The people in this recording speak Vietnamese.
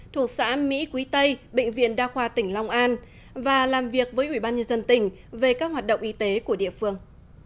thuộc xã mỹ quý tây bệnh viện đa khoa tỉnh long an và làm việc với ủy ban nhân dân tỉnh về các hoạt động y tế của địa phương